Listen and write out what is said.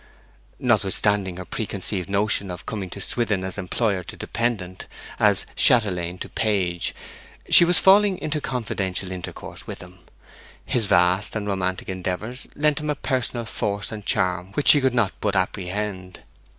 Notwithstanding her preconceived notion of coming to Swithin as employer to dependant, as chatelaine to page, she was falling into confidential intercourse with him. His vast and romantic endeavours lent him a personal force and charm which she could not but apprehend.